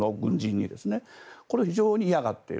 これ、非常に嫌がっている。